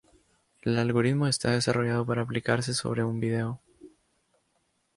El algoritmo está desarrollado para aplicarse sobre un video.